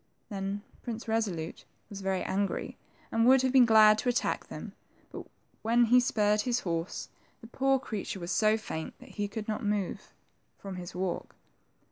Then Prince Resolute was very angry, and would have been glad to attack them, but when he spurred his horse, the poor creature was so faint that he could not move from his walk.